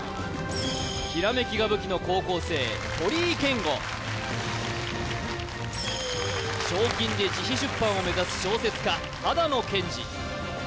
ひらめきが武器の高校生鳥居建吾賞金で自費出版を目指す小説家羽田野健治